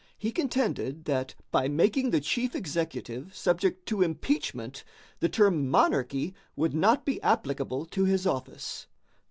He contended that by making the chief executive subject to impeachment, the term monarchy would not be applicable to his office.